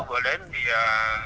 trong một lần đi sáng tác ảnh